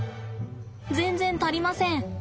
全然足りません。